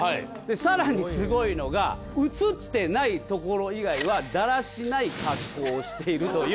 更にすごいのが映ってないところ以外はだらしない格好をしているという。